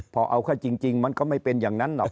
พอเอาเข้าจริงมันก็ไม่เป็นอย่างนั้นหรอก